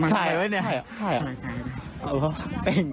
ถ่ายไว้เนี่ยถ่ายอ๋อเอ้าเพราะแป้งล่ะ